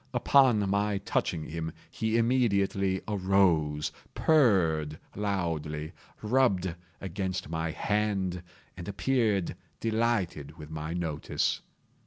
Upon my touching him, he immediately arose, purred loudly, rubbed against my hand, and appeared delighted with my notice.